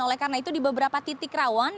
oleh karena itu di beberapa titik rawan